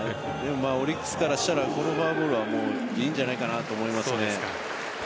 オリックスからしたらこのフォアボールはいいんじゃないかなと思いますね。